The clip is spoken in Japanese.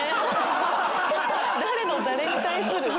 誰の誰に対する？